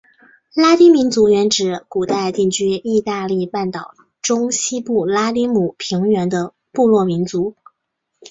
拉丁民族原指古代定居义大利半岛中西部拉丁姆平原的部落民族。